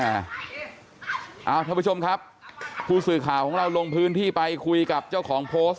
เอาท่านผู้ชมครับผู้สื่อข่าวของเราลงพื้นที่ไปคุยกับเจ้าของโพสต์